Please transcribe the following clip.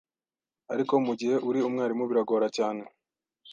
ariko mu gihe uri umwarimu biragora cyane